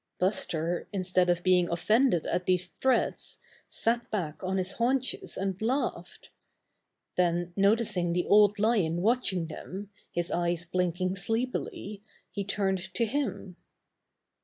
Buster, instead of being offended at these threats, sat back on his haunches and laughed. Then noticing the Old Lion watching them, his eyes blinking sleepily, he turned to him.